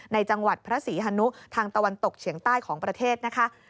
ในจังหวัดพระศรีฮนุทางตะวันตกเฉียงใต้ของประเทศนะคะ